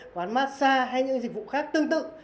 quán massage hay những dịch vụ khác tương tự